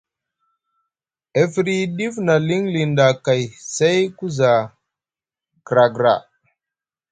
E firyi ɗif na liŋliŋ ɗa kay, say ku za kakra.